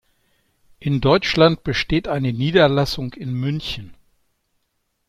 In Deutschland besteht eine Niederlassung in München.